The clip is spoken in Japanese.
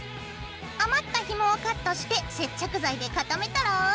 余ったひもをカットして接着剤で固めたら。